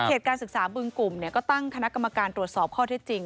การศึกษาบึงกลุ่มก็ตั้งคณะกรรมการตรวจสอบข้อเท็จจริง